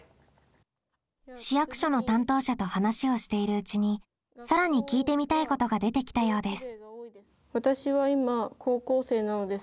市役所の担当者と話をしているうちにさらに聞いてみたいことが出てきたようです。